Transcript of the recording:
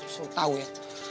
lu tau ya